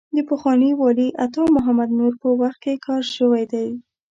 د پخواني والي عطا محمد نور په وخت کې کار شوی دی.